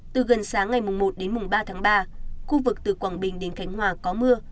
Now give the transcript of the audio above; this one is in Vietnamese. từ gần sáng ngày một đến mùng ba tháng ba khu vực từ quảng bình đến khánh hòa có mưa